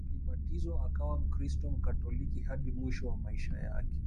Alibatizwa akawa mkristo Mkatoliki hadi mwisho wa maisha yake